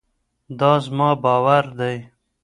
دا زما باور دی.